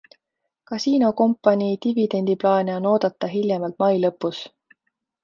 Kasiinokompanii dividendiplaane on oodata hiljemalt mai lõpus.